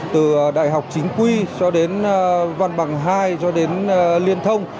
từ đại học chính quy cho đến văn bằng hai cho đến liên thông